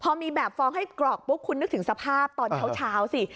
พอมีแบบฟองให้กรอกปุ๊บคุณนึกถึงสภาพตอนเช้าสิ